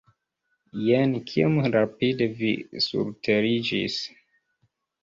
Jen, kiom rapide vi surteriĝis!